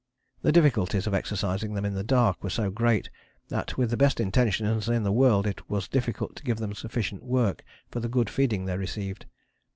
The difficulties of exercising them in the dark were so great that with the best intentions in the world it was difficult to give them sufficient work for the good feeding they received.